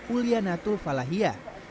ulia natul falahiyah